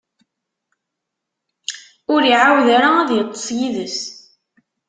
Ur iɛawed ara ad iṭṭeṣ yid-s.